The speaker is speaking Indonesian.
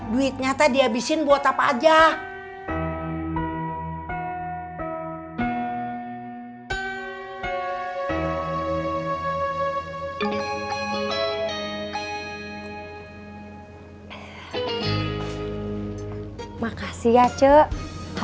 duit nyata diabisin buat apa aja